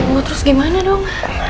mau terus gimana dong